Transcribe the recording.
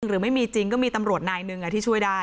หรือไม่มีจริงก็มีตำรวจนายหนึ่งที่ช่วยได้